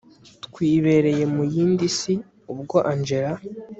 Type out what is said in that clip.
twibereye muyindi si ubwo angella